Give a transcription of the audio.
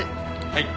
はい。